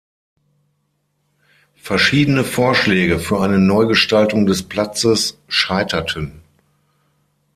Verschiedene Vorschläge für eine Neugestaltung des Platzes scheiterten.